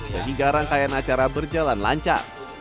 sehingga rangkaian acara berjalan lancar